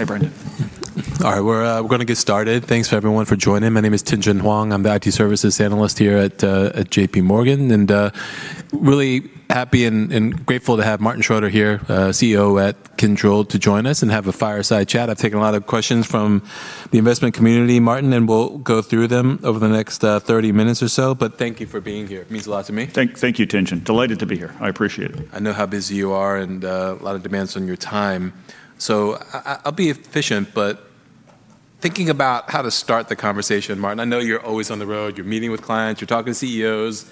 Hey Brendan. All right, we're gonna get started. Thanks for everyone for joining. My name is Tien-Tsin Huang. I'm the IT Services Analyst here at JPMorgan, really happy and grateful to have Martin Schroeter here, CEO at Kyndryl, to join us and have a fireside chat. I've taken a lot of questions from the investment community, Martin, we'll go through them over the next 30 minutes or so, thank you for being here. Means a lot to me. Thank you, Tien-Tsin Huang. Delighted to be here. I appreciate it. I know how busy you are, a lot of demands on your time. I'll be efficient, thinking about how to start the conversation, Martin. I know you're always on the road, you're meeting with clients, you're talking to CEOs,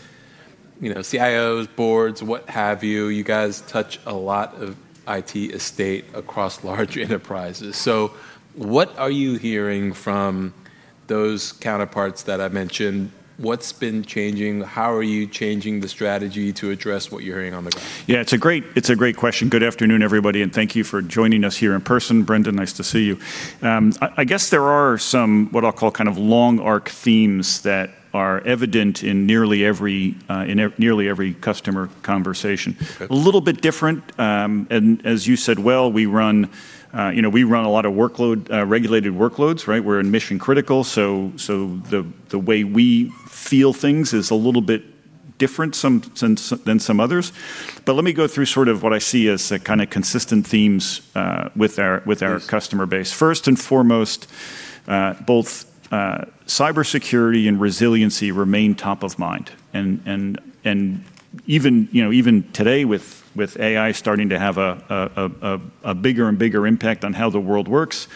you know, CIOs, boards, what have you. You guys touch a lot of IT estate across large enterprises. What are you hearing from those counterparts that I mentioned? What's been changing? How are you changing the strategy to address what you're hearing on the ground? Yeah, it's a great question. Good afternoon, everybody, thank you for joining us here in person. Brendan, nice to see you. I guess there are some, what I'll call, kind of long arc themes that are evident in nearly every customer conversation. Okay. A little bit different, and as you said, well, we run, you know, we run a lot of workload, regulated workloads, right? We're in mission critical, so the way we feel things is a little bit different than some others. Let me go through sort of what I see as the kinda consistent themes with our, with our- Yes customer base. First and foremost, both cybersecurity and resiliency remain top of mind. Even, you know, even today with AI starting to have a bigger and bigger impact on how the world works,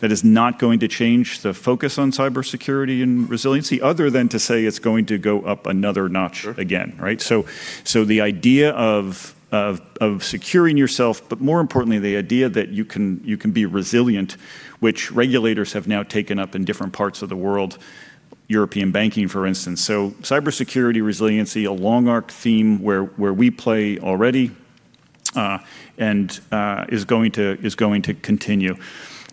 that is not going to change the focus on cybersecurity and resiliency other than to say it's going to go up another notch. Sure again, right? The idea of securing yourself, but more importantly, the idea that you can be resilient, which regulators have now taken up in different parts of the world, European banking, for instance. Cybersecurity, resiliency, a long arc theme where we play already and is going to continue.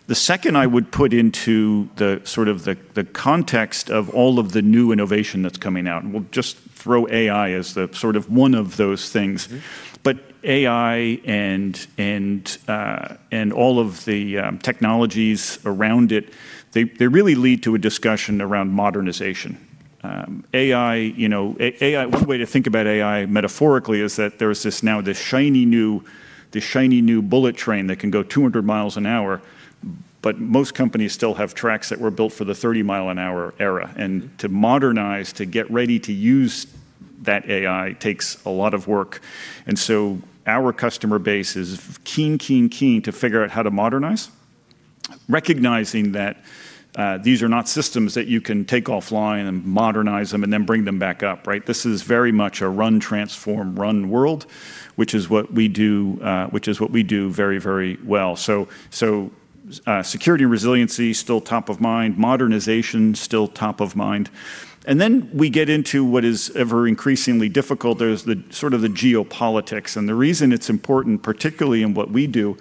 The second I would put into the sort of the context of all of the new innovation that's coming out, we'll just throw AI as the sort of one of those things. AI and all of the technologies around it really lead to a discussion around modernization. AI, you know, one way to think about AI metaphorically is that there is now this shiny new bullet train that can go 200 miles an hour, but most companies still have tracks that were built for the 30 mile an hour era. To modernize to get ready to use that AI takes a lot of work. Our customer base is keen to figure out how to modernize, recognizing that these are not systems that you can take offline and modernize them and then bring them back up, right? This is very much a run, transform, run world, which is what we do, which is what we do very well. Security resiliency, still top of mind, modernization, still top of mind. We get into what is ever increasingly difficult. There's the sort of the geopolitics. The reason it's important, particularly in what we do,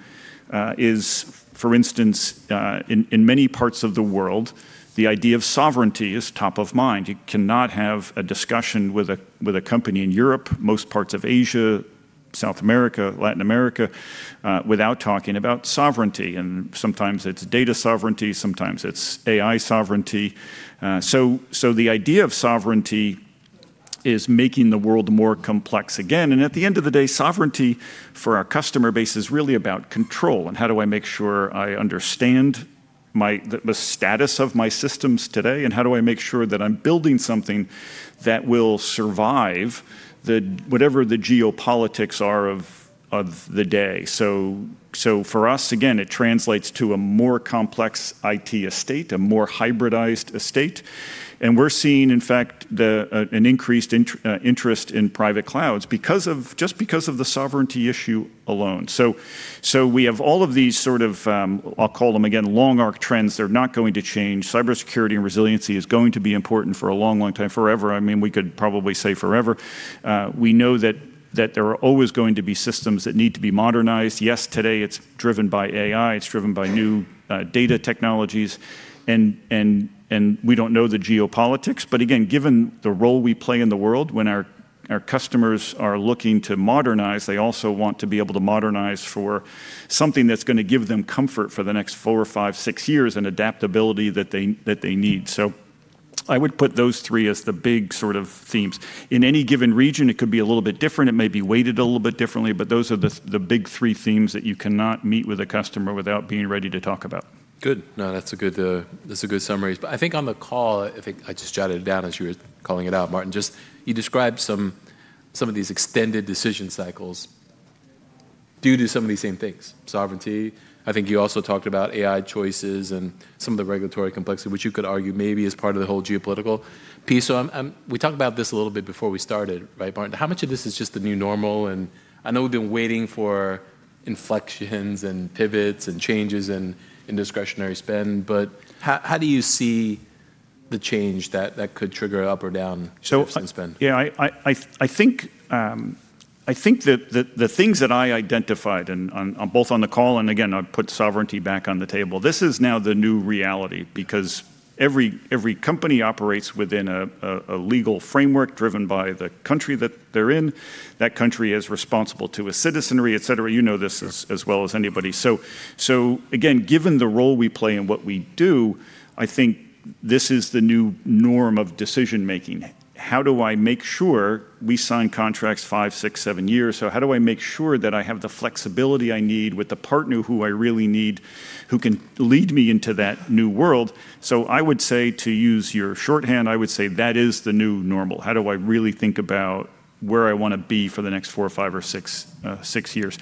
is, for instance, in many parts of the world, the idea of sovereignty is top of mind. You cannot have a discussion with a company in Europe, most parts of Asia, South America, Latin America, without talking about sovereignty. Sometimes it's data sovereignty, sometimes it's AI sovereignty. The idea of sovereignty is making the world more complex again. At the end of the day, sovereignty for our customer base is really about control, and how do I make sure I understand the status of my systems today, and how do I make sure that I'm building something that will survive whatever the geopolitics are of the day. For us, again, it translates to a more complex IT estate, a more hybridized estate. We're seeing, in fact, an increased interest in private clouds just because of the sovereignty issue alone. We have all of these sort of, I'll call them, again, long arc trends. They're not going to change. Cybersecurity and resiliency is going to be important for a long time, forever. I mean, we could probably say forever. We know that there are always going to be systems that need to be modernized. Yes, today it's driven by AI, it's driven by new data technologies and we don't know the geopolitics. Again, given the role we play in the world, when our customers are looking to modernize, they also want to be able to modernize for something that's gonna give them comfort for the next four, five, six years and adaptability that they need. I would put those three as the big sort of themes. In any given region, it could be a little bit different. It may be weighted a little bit differently, but those are the big three themes that you cannot meet with a customer without being ready to talk about. Good. No, that's a good, that's a good summary. I think on the call, I think I just jotted it down as you were calling it out, Martin, you described some of these extended decision cycles due to some of these same things, sovereignty. I think you also talked about AI choices and some of the regulatory complexity, which you could argue maybe is part of the whole geopolitical piece. We talked about this a little bit before we started, right, Martin? How much of this is just the new normal? I know we've been waiting for inflections and pivots and changes in discretionary spend, but how do you see the change that could trigger up or down? So- spend? Yeah, I think that the things that I identified and on both on the call, and again, I've put sovereignty back on the table. This is now the new reality because every company operates within a legal framework driven by the country that they're in. That country is responsible to a citizenry, et cetera. You know this as well as anybody. Again, given the role we play and what we do, this is the new norm of decision-making. How do I make sure we sign contracts five, six, sevenyears? How do I make sure that I have the flexibility I need with the partner who I really need who can lead me into that new world? I would say, to use your shorthand, I would say that is the new normal. How do I really think about where I want to be for the next four, five, or six years?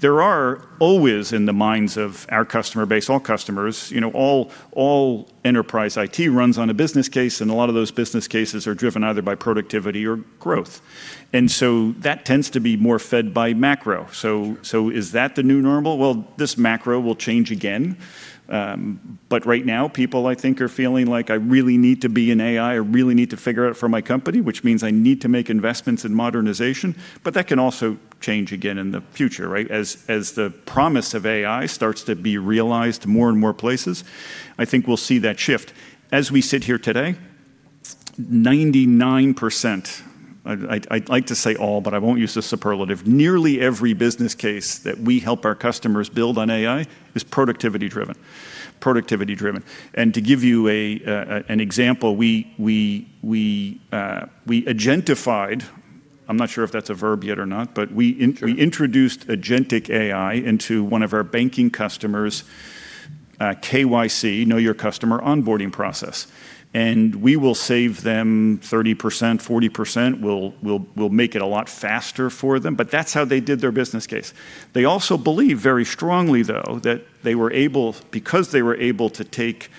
There are always in the minds of our customer base, all customers, you know, all enterprise IT runs on a business case, and a lot of those business cases are driven either by productivity or growth. That tends to be more fed by macro. Is that the new normal? Well, this macro will change again. Right now, people I think are feeling like, "I really need to be in AI. I really need to figure it out for my company, which means I need to make investments in modernization." That can also change again in the future, right? As the promise of AI starts to be realized more and more places, I think we'll see that shift. As we sit here today, 99%, I'd like to say all, but I won't use the superlative. Nearly every business case that we help our customers build on AI is productivity driven. Productivity driven. To give you an example, we agentified, I'm not sure if that's a verb yet or not. Sure We introduced Agentic AI into one of our banking customers', KYC, know your customer, onboarding process. We will save them 30%, 40%, we'll make it a lot faster for them. That's how they did their business case. They also believe very strongly, though, that they were able because they were able to take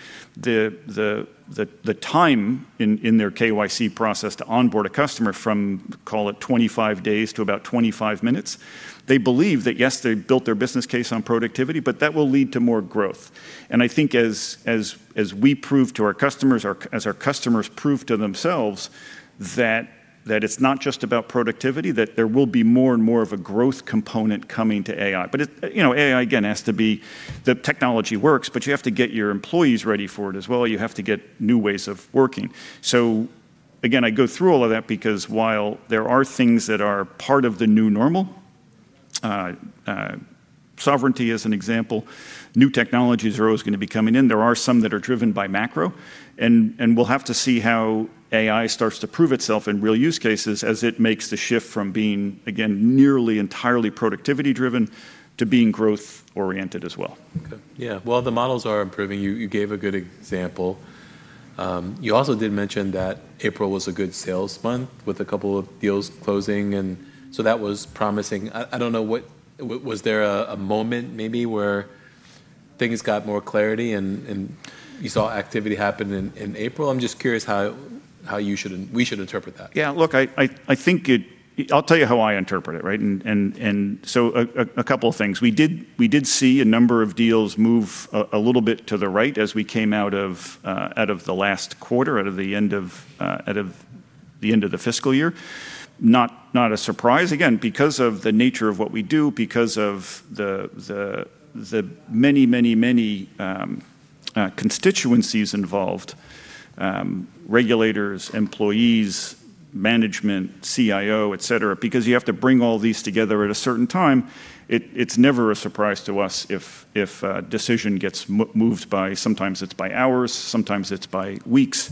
the time in their KYC process to onboard a customer from, call it 25 days to about 25 minutes. They believe that, yes, they built their business case on productivity, but that will lead to more growth. I think as we prove to our customers, as our customers prove to themselves that it's not just about productivity, there will be more and more of a growth component coming to AI. It, you know, AI, again, has to be the technology works, but you have to get your employees ready for it as well. You have to get new ways of working. Again, I go through all of that because while there are things that are part of the new normal, sovereignty as an example, new technologies are always gonna be coming in. There are some that are driven by macro, and we'll have to see how AI starts to prove itself in real use cases as it makes the shift from being, again, nearly entirely productivity driven to being growth oriented as well. Okay. Yeah. Well, the models are improving. You gave a good example. You also did mention that April was a good sales month with a couple of deals closing, and so that was promising. I don't know, was there a moment maybe where things got more clarity and you saw activity happen in April? I'm just curious how we should interpret that. Yeah. Look, I think I'll tell you how I interpret it, right? A couple of things. We did see a number of deals move a little bit to the right as we came out of the last quarter, out of the end of the fiscal year. Not a surprise. Again, because of the nature of what we do, because of the many, many, many constituencies involved, regulators, employees, management, CIO, et cetera, because you have to bring all these together at a certain time, it's never a surprise to us if a decision gets moved by sometimes it's by hours, sometimes it's by weeks.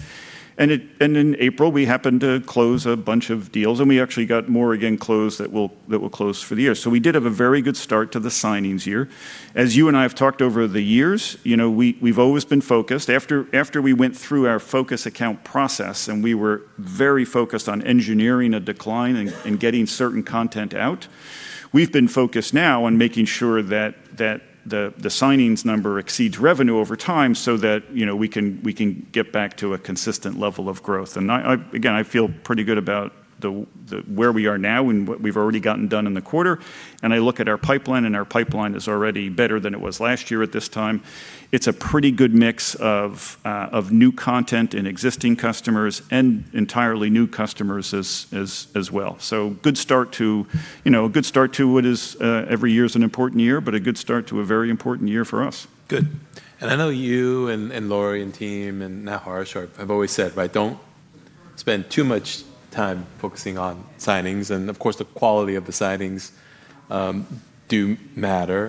In April, we happened to close a bunch of deals, and we actually got more, again, closed that will close for the year. We did have a very good start to the signings year. As you and I have talked over the years, you know, we've always been focused. After we went through our focus accounts process, and we were very focused on engineering a decline and getting certain content out, we've been focused now on making sure that the signings number exceeds revenue over time so that, you know, we can get back to a consistent level of growth. I, again, I feel pretty good about the where we are now and what we've already gotten done in the quarter. I look at our pipeline, and our pipeline is already better than it was last year at this time. It's a pretty good mix of new content and existing customers and entirely new customers as well. A good start to what is every year an important year, but a good start to a very important year for us. Good. I know you and Lori and team and now Harsh have always said, right, don't spend too much time focusing on signings. Of course, the quality of the signings do matter.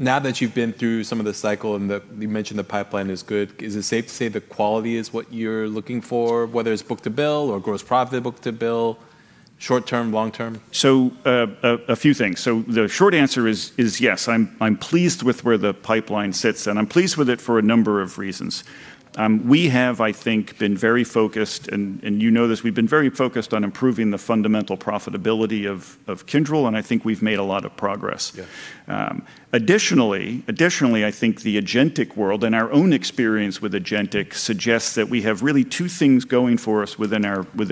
Now that you've been through some of the cycle and you mentioned the pipeline is good, is it safe to say the quality is what you're looking for, whether it's book-to-bill or gross profit book-to-bill, short-term, long-term? A few things. The short answer is yes, I'm pleased with where the pipeline sits, and I'm pleased with it for a number of reasons. We have, I think, been very focused and you know this, we've been very focused on improving the fundamental profitability of Kyndryl, and I think we've made a lot of progress. Yeah. Additionally, I think the agentic world and our own experience with agentic suggests that we have really two things going for us within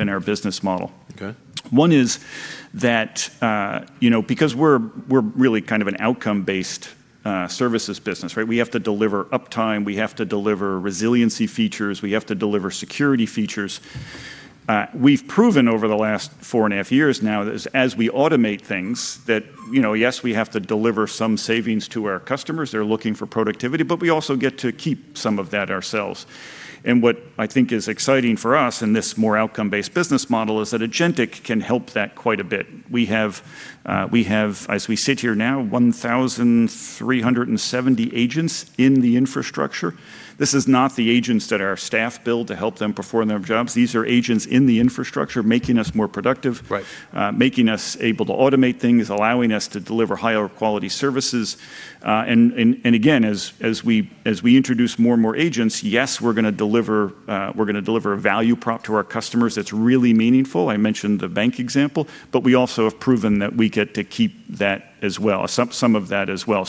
our business model. Okay. One is that, you know, because we're really kind of an outcome-based services business, right. We have to deliver uptime, we have to deliver resiliency features, we have to deliver security features. We've proven over the last four and a half years now that as we automate things, that, you know, yes, we have to deliver some savings to our customers, they're looking for productivity, but we also get to keep some of that ourselves. What I think is exciting for us in this more outcome-based business model is that agentic can help that quite a bit. We have, as we sit here now, 1,370 agents in the infrastructure. This is not the agents that our staff build to help them perform their jobs. These are agents in the infrastructure making us more productive. Right. Making us able to automate things, allowing us to deliver higher quality services. Again, as we introduce more and more agents, yes, we're gonna deliver a value prop to our customers that's really meaningful. I mentioned the bank example. We also have proven that we get to keep that as well, some of that as well.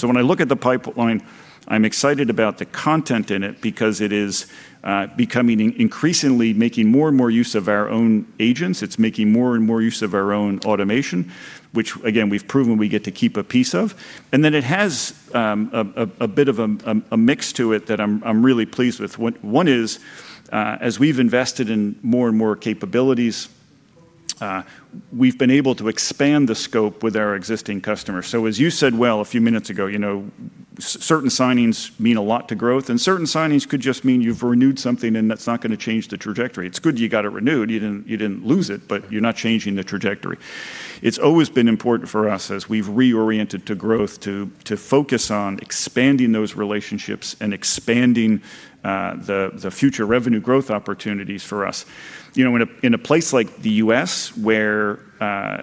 When I look at the pipeline, I'm excited about the content in it because it is increasingly making more and more use of our own agents. It's making more and more use of our own automation, which again, we've proven we get to keep a piece of. It has a bit of a mix to it that I'm really pleased with. One is, as we've invested in more and more capabilities, we've been able to expand the scope with our existing customers. As you said well a few minutes ago, you know, certain signings mean a lot to growth, and certain signings could just mean you've renewed something and that's not gonna change the trajectory. It's good you got it renewed, you didn't lose it, but you're not changing the trajectory. It's always been important for us as we've reoriented to growth to focus on expanding those relationships and expanding the future revenue growth opportunities for us. You know, in a place like the U.S.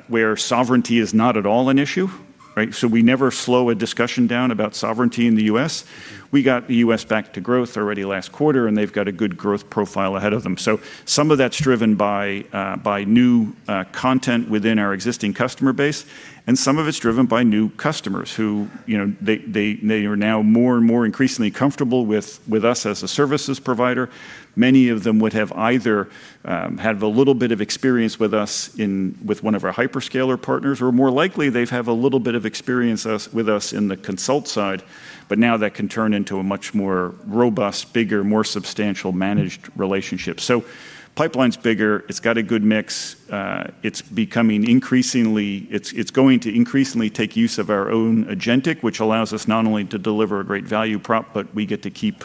where sovereignty is not at all an issue, right? We never slow a discussion down about sovereignty in the U.S. We got the U.S. back to growth already last quarter, and they've got a good growth profile ahead of them. Some of that's driven by new content within our existing customer base, and some of it's driven by new customers who, you know, they are now more and more increasingly comfortable with us as a services provider. Many of them would have either had a little bit of experience with us with one of our hyperscaler partners, or more likely, they've have a little bit of experience with us in the consult side, but now that can turn into a much more robust, bigger, more substantial managed relationship. Pipeline's bigger. It's got a good mix. It's going to increasingly take use of our own agentic, which allows us not only to deliver a great value prop, but we get to keep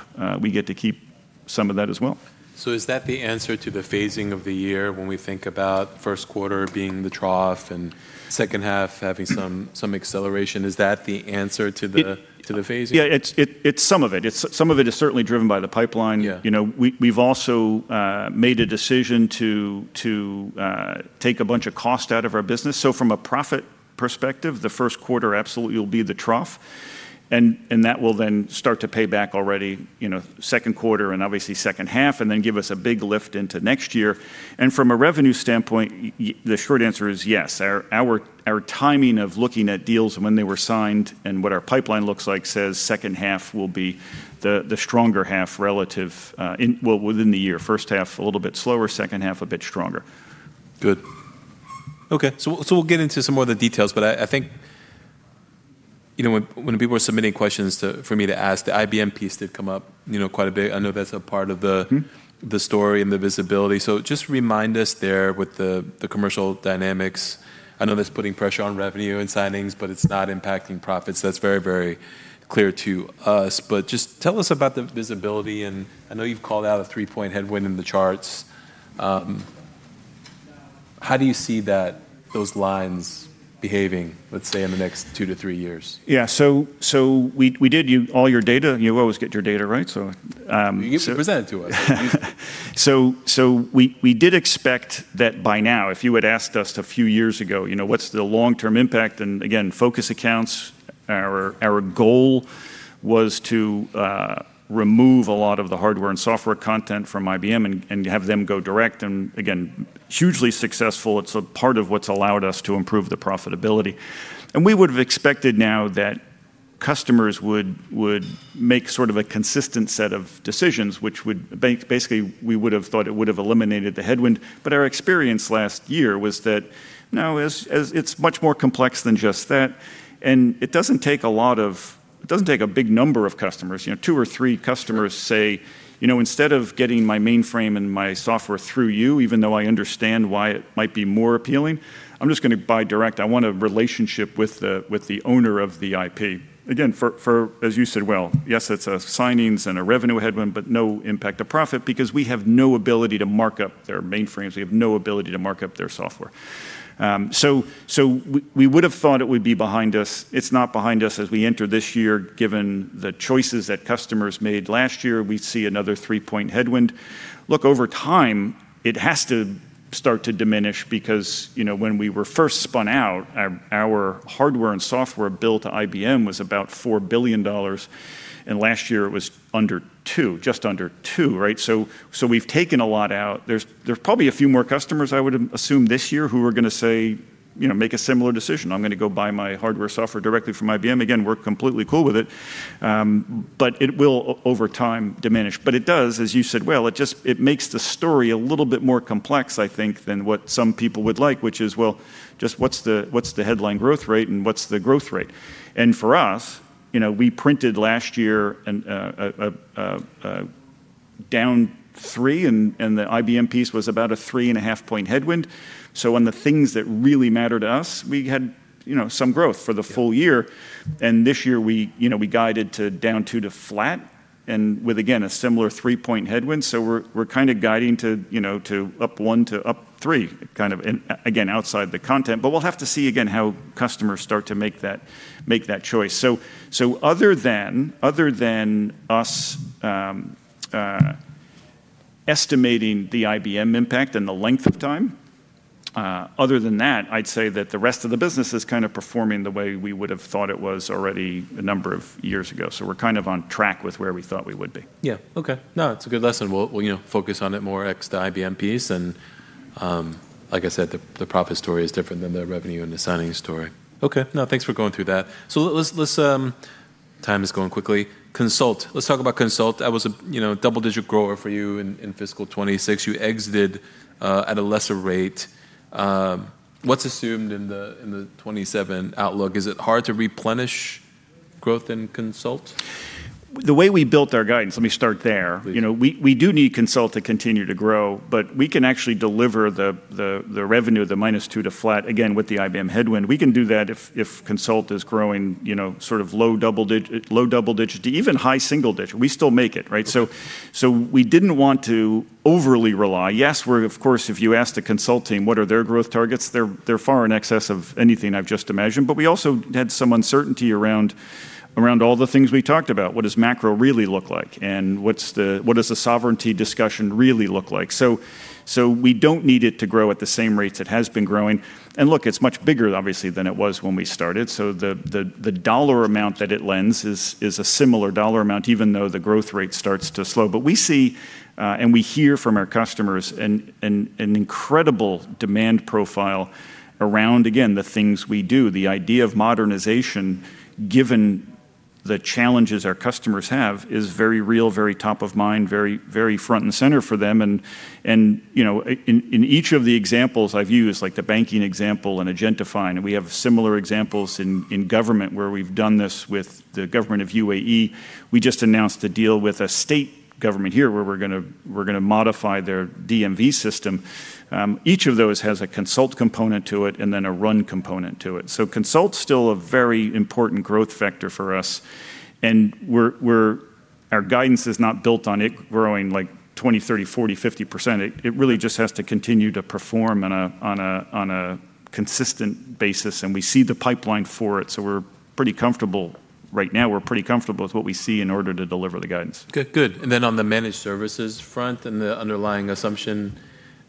some of that as well. Is that the answer to the phasing of the year when we think about first quarter being the trough and second half having some acceleration? It- To the phasing? Yeah, it's some of it. Some of it is certainly driven by the pipeline. Yeah. You know, we've also made a decision to take a bunch of cost out of our business. From a profit perspective, the first quarter absolutely will be the trough. That will then start to pay back already, you know, second quarter and obviously second half, and then give us a big lift into next year. From a revenue standpoint, the short answer is yes. Our timing of looking at deals and when they were signed and what our pipeline looks like says second half will be the stronger half relative, well, within the year. First half a little bit slower, second half a bit stronger. Good. Okay. We'll get into some more of the details, but I think, you know, when people are submitting questions for me to ask, the IBM piece did come up, you know, quite a bit. I know that's a part of the story and the visibility. Just remind us there with the commercial dynamics. I know that's putting pressure on revenue and signings, but it's not impacting profits. That's very, very clear to us. Just tell us about the visibility, and I know you've called out a 3-point headwind in the charts. How do you see that, those lines behaving, let's say, in the next two to three years? Yeah. We did. All your data, you always get your data right. You can present it to us. We did expect that by now, if you had asked us a few years ago, you know, "What's the long-term impact?" Again, focus accounts, our goal was to remove a lot of the hardware and software content from IBM and have them go direct, and again, hugely successful. It's a part of what's allowed us to improve the profitability. We would have expected now that customers would make sort of a consistent set of decisions, which would basically, we would have thought it would have eliminated the headwind. Our experience last year was that, no, it's much more complex than just that. It doesn't take a big number of customers. You know, two or three customers say, "You know, instead of getting my mainframe and my software through you, even though I understand why it might be more appealing, I'm just gonna buy direct. I want a relationship with the, with the owner of the IP." Again, for, as you said, well, yes, it's a signings and a revenue headwind, but no impact to profit because we have no ability to mark up their mainframes. We have no ability to mark up their software. We would have thought it would be behind us. It's not behind us as we enter this year, given the choices that customers made last year. We see another 3-point headwind. Over time, it has to start to diminish because, you know, when we were first spun out, our hardware and software bill to IBM was about $4 billion, and last year it was under $2 billion, just under $2 billion, right? We've taken a lot out. There's probably a few more customers I would assume this year who are gonna say, you know, make a similar decision. "I'm gonna go buy my hardware, software directly from IBM." We're completely cool with it. It will over time diminish. It does, as you said, well, it makes the story a little bit more complex, I think, than what some people would like, which is, well, just what's the headline growth rate and what's the growth rate? For us, you know, we printed last year down three, and the IBM piece was about a 3.5-point headwind. On the things that really mattered to us, we had, you know, some growth for the full year. This year we, you know, we guided to down two to flat, and with, again, a similar 3-point headwind. We're kinda guiding to, you know, to up one to three, kind of in, again, outside the content. We'll have to see again how customers start to make that choice. Other than us, estimating the IBM impact and the length of time, other than that, I'd say that the rest of the business is kind of performing the way we would have thought it was already a number of years ago. We're kind of on track with where we thought we would be. Yeah. Okay. No, it's a good lesson. We'll, you know, focus on it more ex the IBM piece and, like I said, the profit story is different than the revenue and the signing story. Okay. No, thanks for going through that. Let's, time is going quickly. Consult. Let's talk about Consult. That was a, you know, double-digit grower for you in fiscal 2026. You exited at a lesser rate. What's assumed in the 2027 outlook? Is it hard to replenish growth in Consult? The way we built our guidance, let me start there. Please. You know, we do need Consult to continue to grow, but we can actually deliver the revenue, the -2 to flat, again, with the IBM headwind. We can do that if Consult is growing, you know, sort of low double-digit to even high single-digit. We still make it, right? We didn't want to overly rely. Yes, we're of course, if you ask the Consult team what are their growth targets, they're far in excess of anything I've just imagined. We also had some uncertainty around all the things we talked about. What does macro really look like? What does the sovereignty discussion really look like? We don't need it to grow at the same rates it has been growing. Look, it's much bigger obviously than it was when we started, so the dollar amount that it lends is a similar dollar amount even though the growth rate starts to slow. We see, and we hear from our customers an incredible demand profile around, again, the things we do. The idea of modernization given the challenges our customers have is very real, very top of mind, very front and center for them and, you know, in each of the examples I've used, like the banking example and agentify, and we have similar examples in government where we've done this with the government of UAE. We just announced a deal with a state government here where we're gonna modify their DMV system. Each of those has a consult component to it and then a run component to it. Consult's still a very important growth factor for us, and Our guidance is not built on it growing like 20%, 30%, 40%, 50%. It really just has to continue to perform on a consistent basis. We see the pipeline for it. We're pretty comfortable. Right now we're pretty comfortable with what we see in order to deliver the guidance. Good. Good. Then on the managed services front and the underlying assumption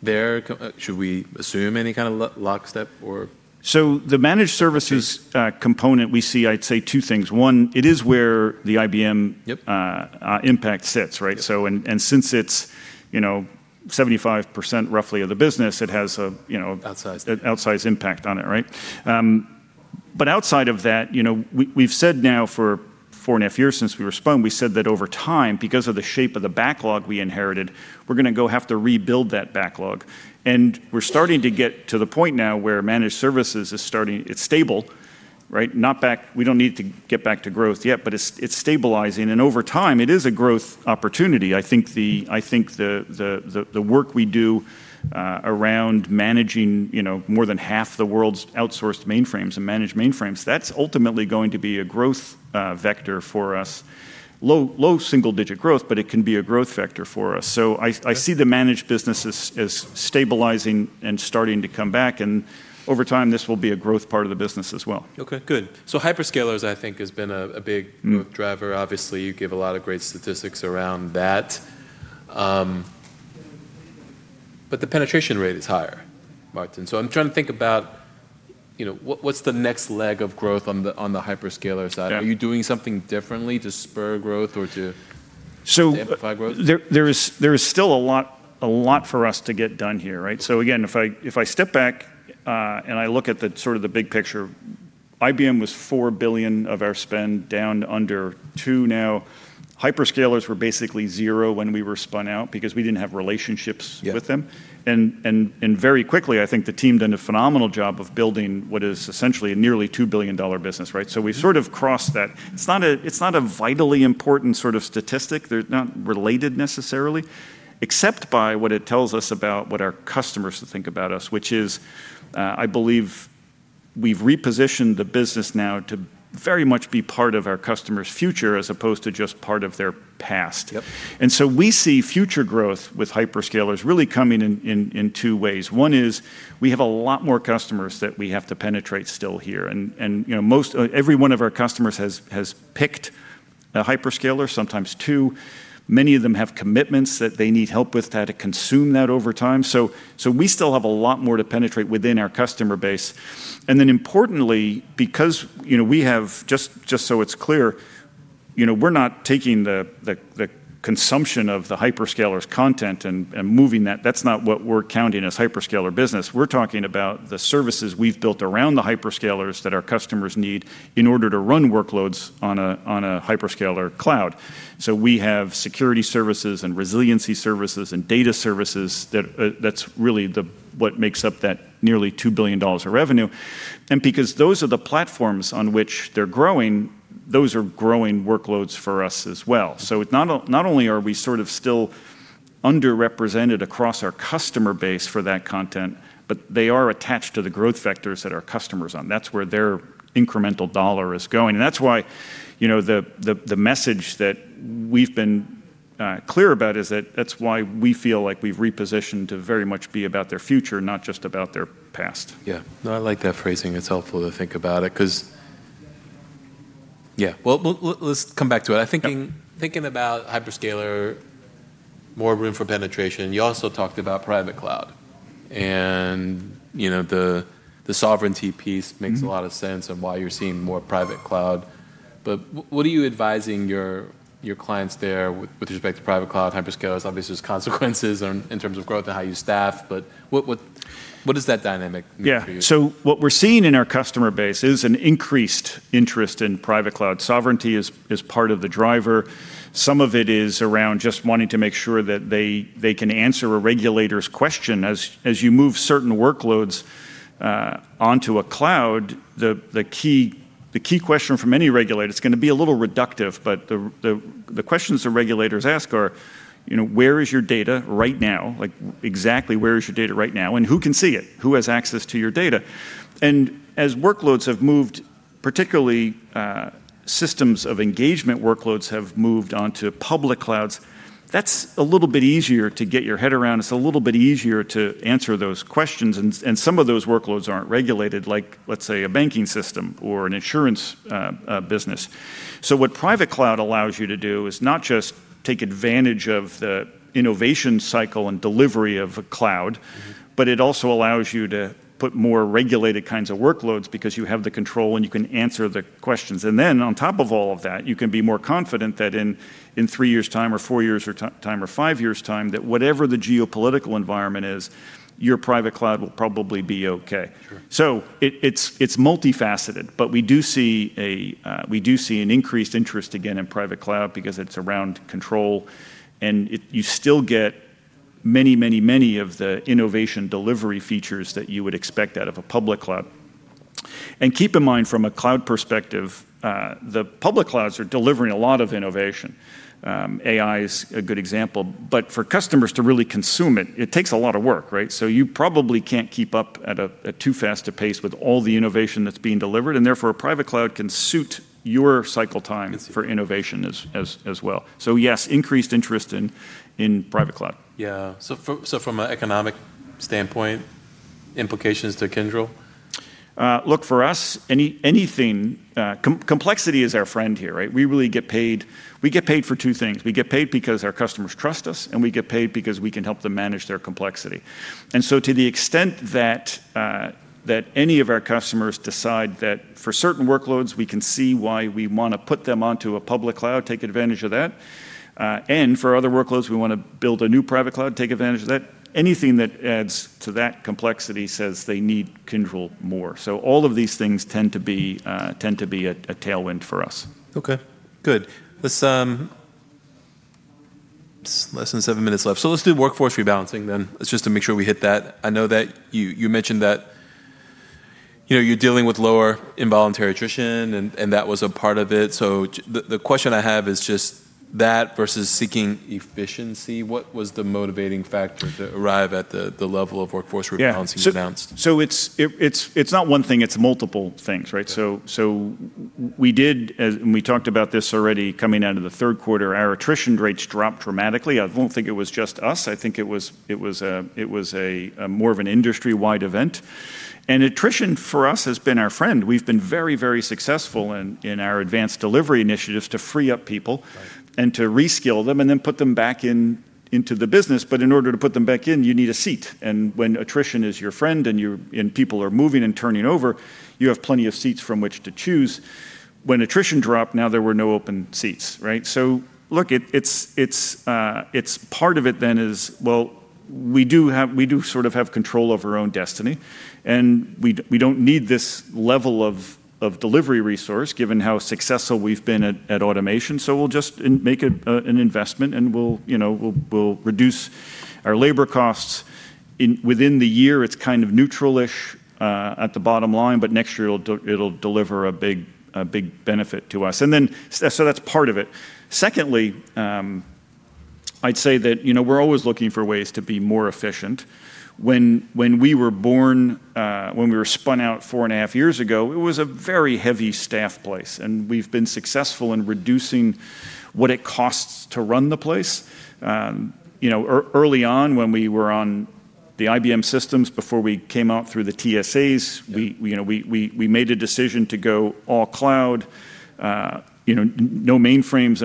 there, should we assume any kind of lockstep or? The managed services. Okay component, we see, I'd say, two things. One, it is where the IBM-. Yep impact sits, right? Yep. And since it's, you know, 75% roughly of the business, it has a, you know. Outsized outsized impact on it, right? Outside of that, you know, we've said now for four and a half years since we were spun, we said that over time, because of the shape of the backlog we inherited, we're gonna go have to rebuild that backlog. We're starting to get to the point now where managed services is stable, right? We don't need to get back to growth yet, but it's stabilizing, and over time it is a growth opportunity. I think the work we do around managing, you know, more than half the world's outsourced mainframes and managed mainframes, that's ultimately going to be a growth vector for us. Low single digit growth, but it can be a growth vector for us. I see the managed business as stabilizing and starting to come back, and over time, this will be a growth part of the business as well. Okay, good. Hyperscalers I think has been a big growth driver. Obviously, you give a lot of great statistics around that. The penetration rate is higher, Martin. I'm trying to think about, you know, what's the next leg of growth on the hyperscaler side? Yeah. Are you doing something differently to spur growth or? So- amplify growth? There is still a lot for us to get done here, right? Again, if I step back and I look at the sort of the big picture, IBM was $4 billion of our spend, down to under $2 now. Hyperscalers were basically zero when we were spun out because we didn't have relationships. Yeah with them. Very quickly, I think the team done a phenomenal job of building what is essentially a nearly $2 billion business, right? We sort of crossed that. It's not a vitally important sort of statistic. They're not related necessarily, except by what it tells us about what our customers think about us, which is, I believe we've repositioned the business now to very much be part of our customers' future as opposed to just part of their past. Yep. We see future growth with hyperscalers really coming in two ways. One is we have a lot more customers that we have to penetrate still here and, you know, most every one of our customers has picked a hyperscaler, sometimes two. Many of them have commitments that they need help with how to consume that over time. We still have a lot more to penetrate within our customer base. Importantly, because, you know, we have, just so it's clear, you know, we're not taking the consumption of the hyperscalers' content and moving that. That's not what we're counting as hyperscaler business. We're talking about the services we've built around the hyperscalers that our customers need in order to run workloads on a hyperscaler cloud. We have security services and resiliency services and data services that's really the, what makes up that nearly $2 billion of revenue. Because those are the platforms on which they're growing. Those are growing workloads for us as well. Not only are we sort of still underrepresented across our customer base for that content, but they are attached to the growth vectors that our customer's on. That's where their incremental dollar is going. That's why, you know, the, the message that we've been clear about is that that's why we feel like we've repositioned to very much be about their future, not just about their past. Yeah. No, I like that phrasing. It's helpful to think about it 'cause Yeah. Well, let's come back to it. Yeah. I thinking about hyperscaler, more room for penetration, you also talked about private cloud. You know, the sovereignty piece makes a lot of sense on why you're seeing more private cloud. What are you advising your clients there with respect to private cloud, hyperscalers? Obviously, there's consequences on, in terms of growth and how you staff. What does that dynamic mean for you? Yeah. What we're seeing in our customer base is an increased interest in private cloud. Sovereignty is part of the driver. Some of it is around just wanting to make sure that they can answer a regulator's question. As you move certain workloads onto a cloud, the key question from any regulator, it's gonna be a little reductive, but the questions the regulators ask are, you know, where is your data right now? Like exactly where is your data right now, and who can see it? Who has access to your data? As workloads have moved, particularly, systems of engagement workloads have moved onto public clouds, that's a little bit easier to get your head around. It's a little bit easier to answer those questions and some of those workloads aren't regulated, like let's say a banking system or an insurance business. What private cloud allows you to do is not just take advantage of the innovation cycle and delivery of a cloud- It also allows you to put more regulated kinds of workloads because you have the control, and you can answer the questions. Then on top of all of that, you can be more confident that in three years' time or four years' time, or five years' time, that whatever the geopolitical environment is, your private cloud will probably be okay. Sure. It's multifaceted, but we do see an increased interest again in private cloud because it's around control, and You still get many of the innovation delivery features that you would expect out of a public cloud. Keep in mind from a cloud perspective, the public clouds are delivering a lot of innovation. AI is a good example. For customers to really consume it takes a lot of work, right? You probably can't keep up at a, at too fast a pace with all the innovation that's being delivered, and therefore a private cloud can suit your cycle time. I see. for innovation as well. Yes, increased interest in private cloud. Yeah. From an economic standpoint, implications to Kyndryl? Look, for us, anything, complexity is our friend here, right? We really get paid for two things. We get paid because our customers trust us, and we get paid because we can help them manage their complexity. To the extent that any of our customers decide that for certain workloads, we can see why we wanna put them onto a public cloud, take advantage of that, and for other workloads, we wanna build a new private cloud, take advantage of that, anything that adds to that complexity says they need Kyndryl more. All of these things tend to be a tailwind for us. Okay. Good. Let's Less than seven minutes left. Let's do workforce rebalancing then. It's just to make sure we hit that. I know that you mentioned that, you know, you're dealing with lower involuntary attrition and that was a part of it. The question I have is just that versus seeking efficiency, what was the motivating factor to arrive at the level of workforce rebalancing you announced? Yeah. It's not one thing, it's multiple things, right? Okay. We did, and we talked about this already coming out of the third quarter, our attrition rates dropped dramatically. I don't think it was just us, I think it was a more of an industry-wide event. Attrition for us has been our friend. We've been very successful in our Advanced Delivery initiatives to free up people- Right To reskill them, and then put them back in, into the business. In order to put them back in, you need a seat, and when attrition is your friend and people are moving and turning over, you have plenty of seats from which to choose. When attrition dropped, now there were no open seats, right? Look, it's, it's part of it then is, well, we do have, we do sort of have control of our own destiny, and we don't need this level of delivery resource given how successful we've been at automation. We'll just make it an investment, and we'll, you know, we'll reduce our labor costs in within the year, it's kind of neutral-ish at the bottom line, but next year it'll deliver a big benefit to us. That's part of it. Secondly, I'd say that, you know, we're always looking for ways to be more efficient. When we were born, when we were spun out four and a half years ago, it was a very heavy staff place, and we've been successful in reducing what it costs to run the place. You know, early on when we were on the IBM systems before we came out through the TSAs. Yeah We, you know, we made a decision to go all cloud, you know, no mainframes.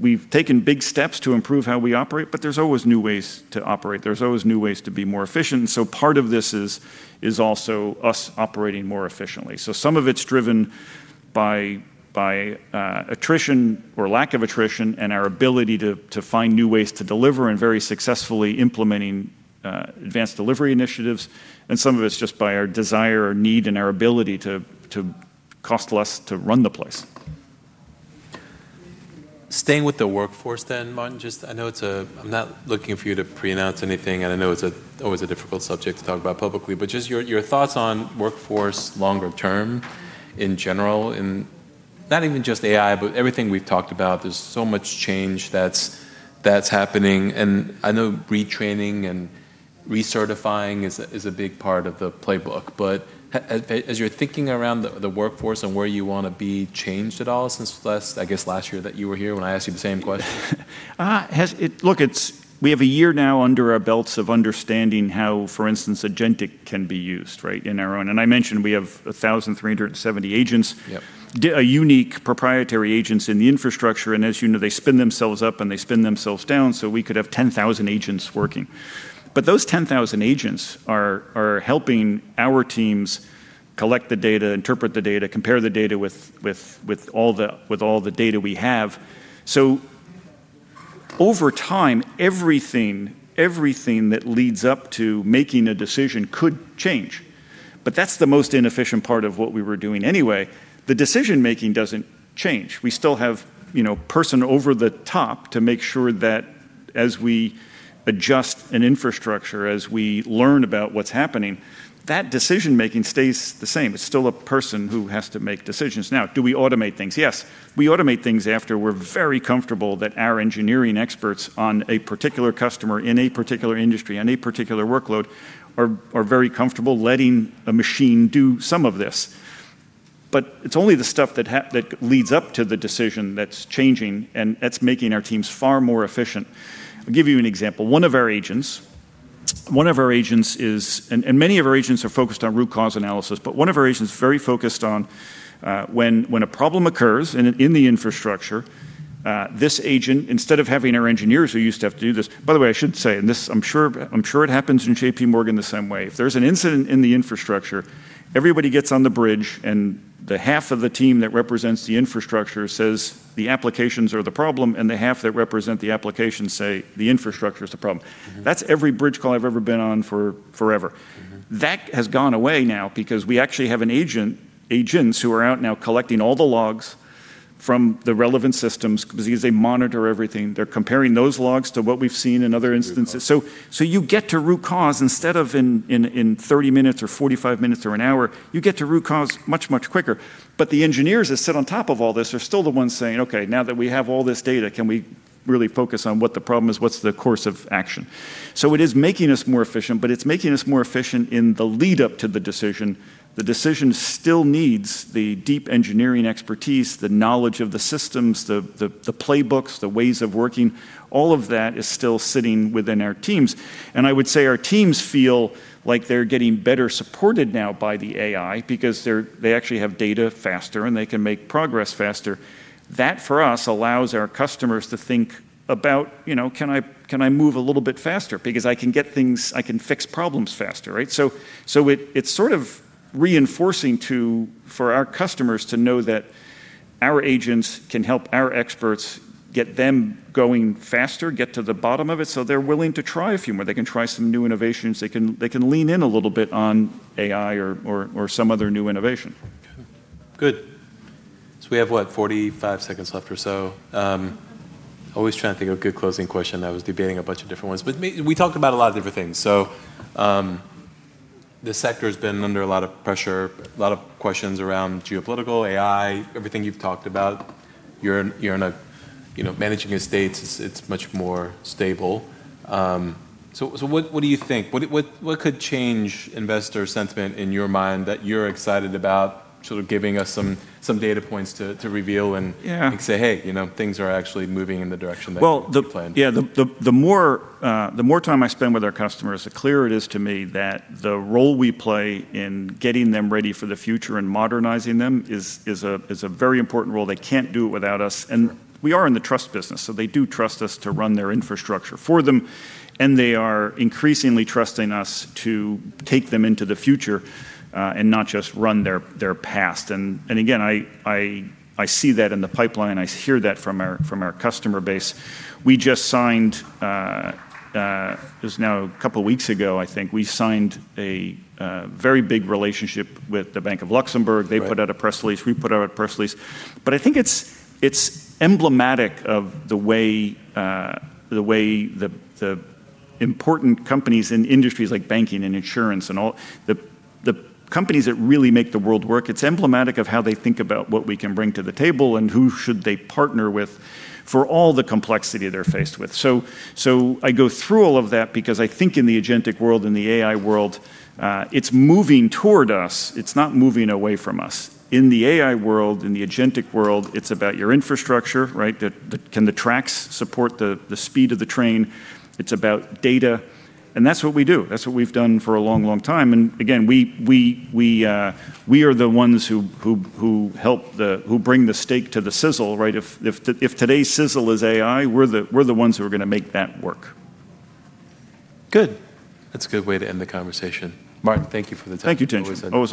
We've taken big steps to improve how we operate, but there's always new ways to operate. There's always new ways to be more efficient, part of this is also us operating more efficiently. Some of it's driven by attrition or lack of attrition and our ability to find new ways to deliver and very successfully implementing Advanced Delivery initiatives, and some of it's just by our desire or need and our ability to cost less to run the place. Staying with the workforce then, Martin, just I know it's a I'm not looking for you to pre-announce anything, and I know it's always a difficult subject to talk about publicly. Just your thoughts on workforce longer term in general, in not even just AI, but everything we've talked about. There's so much change that's happening, and I know retraining and recertifying is a big part of the playbook. As you're thinking around the workforce and where you wanna be, changed at all since last, I guess, last year that you were here when I asked you the same question? We have one year now under our belts of understanding how, for instance, agentic can be used, right, in our own. I mentioned we have 1,370 agents. Yep. unique proprietary agents in the infrastructure. As you know, they spin themselves up, and they spin themselves down, so we could have 10,000 agents working. Those 10,000 agents are helping our teams collect the data, interpret the data, compare the data with all the data we have. Over time, everything that leads up to making a decision could change. That's the most inefficient part of what we were doing anyway. The decision-making doesn't change. We still have, you know, person over the top to make sure that as we adjust an infrastructure, as we learn about what's happening, that decision-making stays the same. It's still a person who has to make decisions. Do we automate things? Yes. We automate things after we're very comfortable that our engineering experts on a particular customer in a particular industry on a particular workload are very comfortable letting a machine do some of this. It's only the stuff that leads up to the decision that's changing, and that's making our teams far more efficient. I'll give you an example. Many of our agents are focused on root cause analysis, one of our agents is very focused on when a problem occurs in the infrastructure, this agent, instead of having our engineers who used to have to do this. By the way, I should say, and this I'm sure it happens in JPMorgan the same way. If there's an incident in the infrastructure, everybody gets on the Bridge, and the half of the team that represents the infrastructure says the applications are the problem, and the half that represent the application say the infrastructure is the problem. That's every Bridge call I've ever been on for forever. That has gone away now because we actually have an agent, agents who are out now collecting all the logs from the relevant systems because they monitor everything. They're comparing those logs to what we've seen in other instances. Good call. You get to root cause instead of in 30 minutes or 45 minutes or one hour. You get to root cause much, much quicker. The engineers that sit on top of all this are still the ones saying, "Okay, now that we have all this data, can we really focus on what the problem is? What's the course of action?" It is making us more efficient, but it's making us more efficient in the lead-up to the decision. The decision still needs the deep engineering expertise, the knowledge of the systems, the playbooks, the ways of working. All of that is still sitting within our teams. I would say our teams feel like they're getting better supported now by the AI because they actually have data faster, and they can make progress faster. That, for us, allows our customers to think about, you know, Can I move a little bit faster? Because I can get things, I can fix problems faster, right. It's sort of reinforcing for our customers to know that our agents can help our experts get them going faster, get to the bottom of it, so they're willing to try a few more. They can try some new innovations. They can lean in a little bit on AI or some other new innovation. Good. We have, what, 45 seconds left or so. Always trying to think of a good closing question. I was debating a bunch of different ones. We talked about a lot of different things. This sector's been under a lot of pressure, a lot of questions around geopolitical, AI, everything you've talked about. You're in a, you know, managing estates, it's much more stable. What do you think? What could change investor sentiment in your mind that you're excited about sort of giving us some data points to reveal? Yeah Say, "Hey, you know, things are actually moving in the direction that we planned. Well, the more time I spend with our customers, the clearer it is to me that the role we play in getting them ready for the future and modernizing them is a very important role. They can't do it without us. Sure. We are in the trust business, so they do trust us to run their infrastructure for them, and they are increasingly trusting us to take them into the future, and not just run their past. Again, I see that in the pipeline. I hear that from our customer base. We just signed, it was now a couple of weeks ago, I think, we signed a very big relationship with the Bank of Luxembourg. Right. They put out a press release. We put out a press release. I think it's emblematic of the way the important companies in industries like banking and insurance and all, the companies that really make the world work, it's emblematic of how they think about what we can bring to the table and who should they partner with for all the complexity they're faced with. I go through all of that because I think in the agentic world, in the AI world, it's moving toward us. It's not moving away from us. In the AI world, in the agentic world, it's about your infrastructure, right? The can the tracks support the speed of the train? It's about data. That's what we do. That's what we've done for a long, long time. Again, we are the ones who help the, who bring the steak to the sizzle, right? If today's sizzle is AI, we're the ones who are gonna make that work. Good. That's a good way to end the conversation. Martin, thank you for the time. Thank you, Tien-Tsin Huang. Always a pleasure.